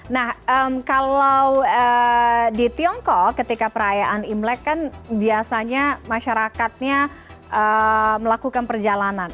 nah kalau di tiongkok ketika perayaan imlek kan biasanya masyarakatnya melakukan perjalanan